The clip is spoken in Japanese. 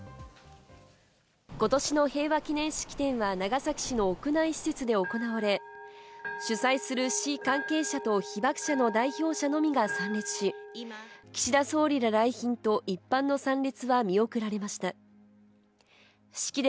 ことしの平和祈念式典は長崎市の屋内施設で行われ、主催する市関係者と被爆者の代表者のみが参列し、岸田総理ら来賓と一般の参列は見送られました。